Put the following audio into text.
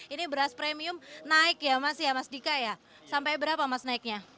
ini beras premium naik ya mas ya mas dika ya sampai berapa mas naiknya